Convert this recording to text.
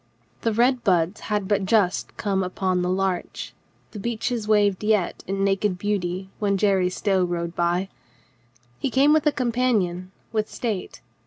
The red buds had but just come upon the larch, the beeches waved yet in naked beauty when Jerry Stow rode by. He came with a companion, with state.